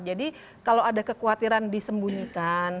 jadi kalau ada kekhawatiran disembunyikan